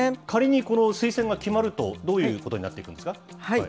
仮にこの推薦が決まると、どういうことになっていくんですか。